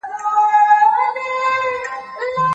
ټول کاینات د انسان په خدمت کي اچول سوي دي.